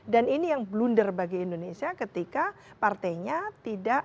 dan ini yang blunder bagi indonesia ketika partainya tidak